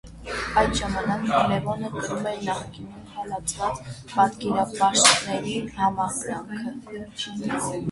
Այդ ժամանակ Լևոնը կրում էր նախկինում հալածված պատկերապաշտների համակրանքը։